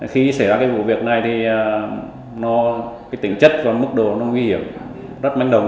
khi xảy ra cái vụ việc này thì tính chất và mức độ nó nguy hiểm rất manh đồng